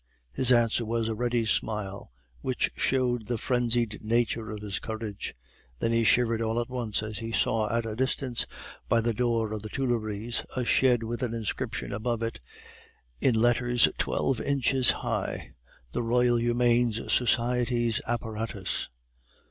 His answer was a ready smile, which showed the frenzied nature of his courage; then he shivered all at once as he saw at a distance, by the door of the Tuileries, a shed with an inscription above it in letters twelve inches high: THE ROYAL HUMANE SOCIETY'S APPARATUS.